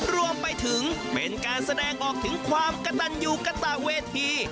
รวมไปถึงเป็นการแสดงออกถึงความกระตันอยู่กระตะเวที